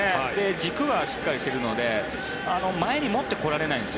軸がしっかりしているので前に持ってこられないんです。